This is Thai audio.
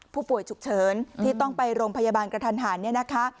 ผู้ป่วยฉุกเฉินที่ต้องไปโรงพยาบาลกระทันหันเนี่ยนะคะ